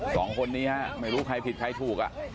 สองคนนี้ฮะไม่รู้ใครผิดใครถูก